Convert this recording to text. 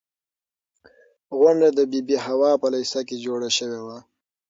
غونډه د بي بي حوا په لېسه کې جوړه شوې وه.